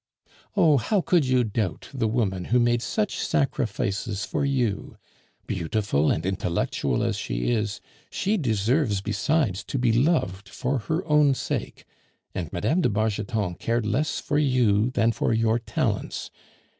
"Oh! how could you doubt the woman who made such sacrifices for you? Beautiful and intellectual as she is, she deserves besides to be loved for her own sake; and Mme. de Bargeton cared less for you than for your talents.